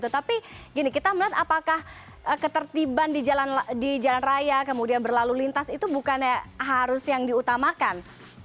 tapi gini kita melihat apakah ketertiban di jalan raya kemudian berlalu lintas itu bukannya harus yang diutamakan